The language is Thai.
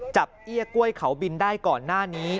เอี้ยกล้วยเขาบินได้ก่อนหน้านี้